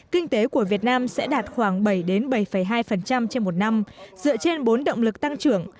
kinh tế của việt nam sẽ đạt khoảng bảy bảy hai trên một năm dựa trên bốn động lực tăng trưởng